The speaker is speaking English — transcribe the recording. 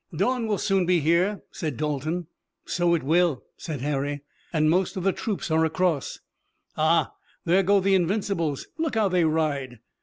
"Dawn will soon be here," said Dalton. "So it will," said Harry, "and most of the troops are across. Ah, there go the Invincibles! Look how they ride!"